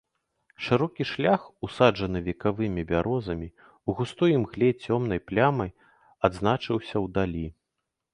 Шырокі шлях, усаджаны векавымі бярозамі, у густой імгле цёмнай плямай адзначаўся ўдалі.